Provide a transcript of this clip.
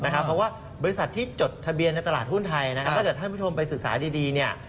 เพราะว่าบริษัทที่จดทะเบียนในตลาดหุ้นไทยถ้าเฉพาะท่านผู้ชมไปศึกษาดี